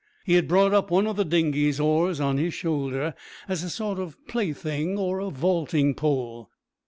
He had brought up one of the dinghy's oars on his shoulder as a sort of plaything or vaulting pole.